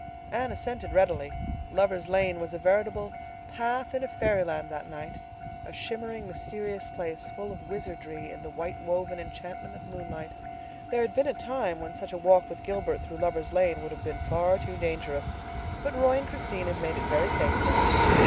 Anne assented readily. Lovers' Lane was a veritable path in a fairyland that night—a shimmering, mysterious place, full of wizardry in the white woven enchantment of moonlight. There had been a time when such a walk with Gilbert through Lovers' Lane would have been far too dangerous. But Roy and Christine had made it very safe now.